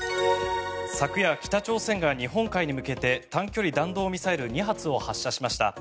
昨夜、北朝鮮が日本海に向けて短距離弾道ミサイル２発を発射しました。